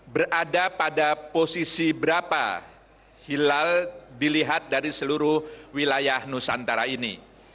berada pada posisi berapa hilal dilihat dari seluruh wilayah nusantara ini